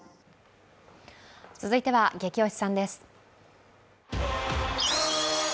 続いては、ゲキ推しさんです。